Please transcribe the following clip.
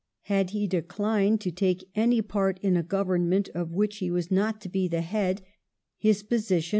^ Had he declined to take any part in a Government of which he was not to be the head, his position would 1 Graham, ii.